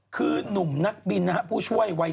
คือนุ่มนักบินนะครับผู้ช่วยวัย